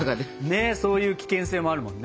ねっそういう危険性もあるもんね。